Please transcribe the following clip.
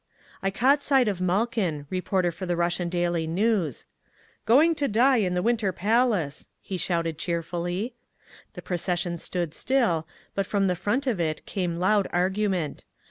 I caught sight of Malkin, reporter for the Russian Daily News. "Going to die in the Winter Palace," he shouted cheerfully. The procession stood still, but from the front of it came loud argument.